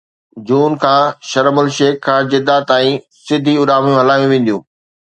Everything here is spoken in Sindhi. جون کان شرم الشيخ کان جده تائين سڌي اڏامون هلايون وينديون